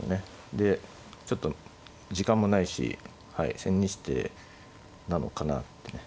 でちょっと時間もないし千日手なのかなってね